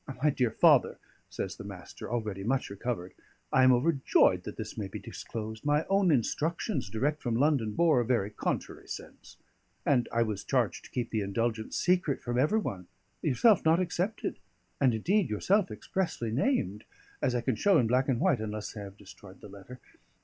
"My dear father," says the Master, already much recovered. "I am overjoyed that this may be disclosed. My own instructions, direct from London, bore a very contrary sense, and I was charged to keep the indulgence secret from every one, yourself not excepted, and indeed yourself expressly named as I can show in black and white, unless I have destroyed the letter.